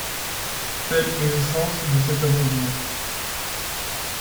» Tel est le sens de cet amendement.